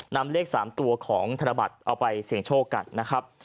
นำเลข๓ตัวของธนบัตรเอาไปเสี่ยงโชคกันนะครับ